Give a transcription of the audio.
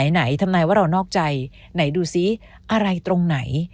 ไหนทำนายว่าเรานอกใจไหนดูซิอะไรตรงไหน